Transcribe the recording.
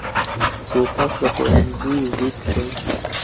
توپک د ښوونځي ضد دی.